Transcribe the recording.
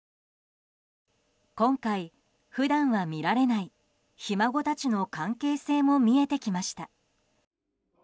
今回、普段は見られないひ孫たちの関係性も見えてきました。